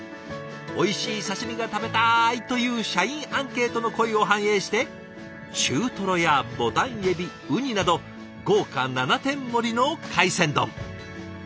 「おいしい刺身が食べたい！」という社員アンケートの声を反映して中トロやボタンエビウニなど豪華７点盛りの海鮮丼。